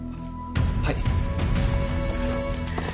はい。